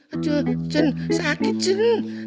aduh cent sakit cent